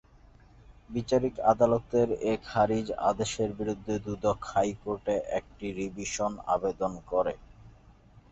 বিচারিক আদালতের এ খারিজ আদেশের বিরুদ্ধে দুদক হাইকোর্টে একটি রিভিশন আবেদন করে।